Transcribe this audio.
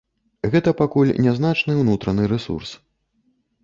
Гэта пакуль нязначны ўнутраны рэсурс.